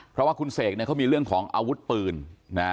เพราะว่าคุณเสกเนี่ยเขามีเรื่องของอาวุธปืนนะ